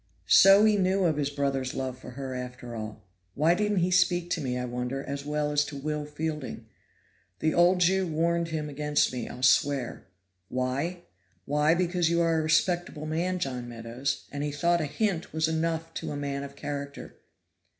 So he knew of his brother's love for her, after all. Why didn't he speak to me, I wonder, as well as to Will Fielding? The old Jew warned him against me, I'll swear. Why? why because you are a respectable man, John Meadows, and he thought a hint was enough to a man of character.